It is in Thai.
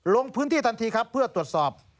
ลงพื้นที่ทันทีครับเพื่อตรวจสอบ